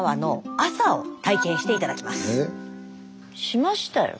しましたよ。